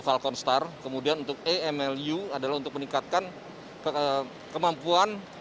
falcon star kemudian untuk emlu adalah untuk meningkatkan ke kemampuan